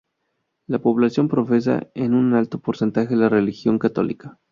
La población profesa en un alto porcentaje la religión católica.